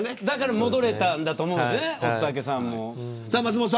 だから、戻れたんだと思うんですよね、乙武さんも。